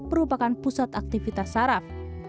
merupakan pusat aktivitas saraf